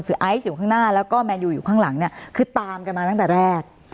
คือไอซ์อยู่ข้างหน้าแล้วก็แมนยูอยู่ข้างหลังเนี่ยคือตามกันมาตั้งแต่แรก